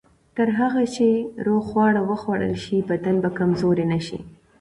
تر هغه چې روغ خواړه وخوړل شي، بدن به کمزوری نه شي.